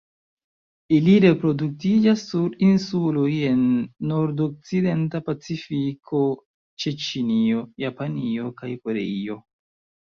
Ili reproduktiĝas sur insuloj en nordokcidenta Pacifiko ĉe Ĉinio, Japanio kaj Koreio.